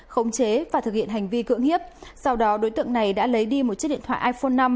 khống chế và thực hiện hành vi cưỡng hiếp sau đó đối tượng này đã lấy đi một chiếc điện thoại iphone năm